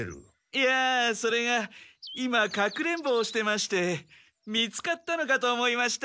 いやそれが今かくれんぼをしてまして見つかったのかと思いました。